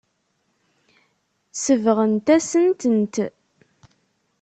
Sebɣent-asent-tent.